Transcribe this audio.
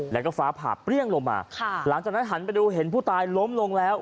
แล้วก็ฟ้าผ่าเปรี้ยงลงมาค่ะหลังจากนั้นหันไปดูเห็นผู้ตายล้มลงแล้ว